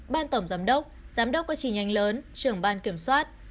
ban tổng giám đốc giám đốc có trì nhanh lớn trưởng ban kiểm soát